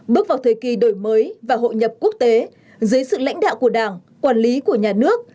bước vào thời kỳ đổi mới và hội nhập quốc tế dưới sự lãnh đạo của đảng quản lý của nhà nước